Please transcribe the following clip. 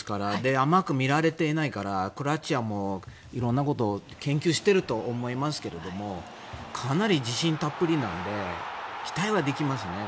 甘く見られていないからクロアチアも色んなことを研究していると思いますけどもかなり自信たっぷりなんで期待はできますね。